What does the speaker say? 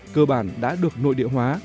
cơ bản đã được nội địa hóa